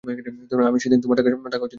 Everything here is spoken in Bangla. আমি সেদিন তোমার টাকা শোধ করিনি।